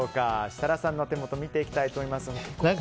設楽さんの手元見ていきたいと思います。